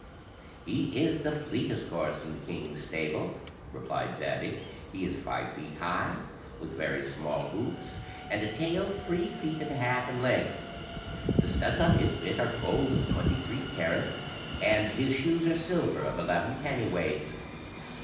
"He is the fleetest horse in the king's stable," replied Zadig; "he is five feet high, with very small hoofs, and a tail three feet and a half in length; the studs on his bit are gold of twenty three carats, and his shoes are silver of eleven penny weights."